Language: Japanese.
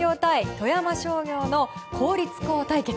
富山商業の公立校対決。